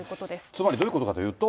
つまり、どういうことかというと。